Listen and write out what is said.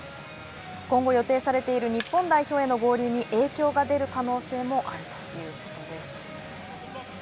今後、予定されている日本代表への合流に影響が出る可能性もあるということです。